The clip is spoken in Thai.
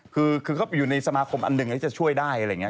คือเข้าไปอยู่ในสมาคมอันหนึ่งที่จะช่วยได้อะไรอย่างนี้